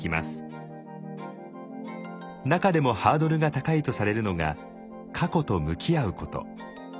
中でもハードルが高いとされるのが過去と向き合うこと。